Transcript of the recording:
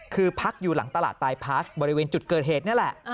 คือพักอยู่หลังตลาดปลายพาสบริเวณจุดเกิดเหตุนี่แหละ